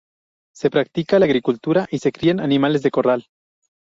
Se practica la agricultura y se crían animales de corral.